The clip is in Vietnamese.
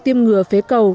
tiêm ngừa phế cầu